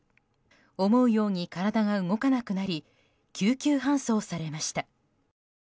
思うように体が動かなくなり救急搬送されました。